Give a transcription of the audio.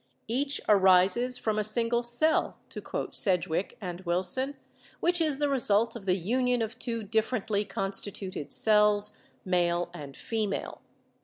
"Each arises from a single cell," to quote Sedgwick and Wilson, "which is the result of the union of two differently constituted cells, male and female.